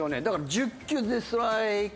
だから１０球で。